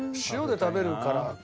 塩で食べるから。